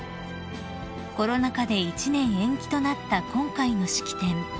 ［コロナ禍で１年延期となった今回の式典］